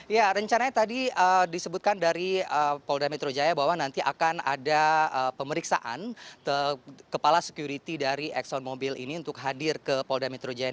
ya rencananya tadi disebutkan dari polda metro jaya bahwa nanti akan ada pemeriksaan kepala security dari exxon mobil ini untuk hadir ke polda metro jaya